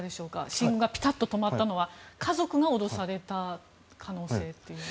進軍がピタッと止まったのは家族が脅された可能性と。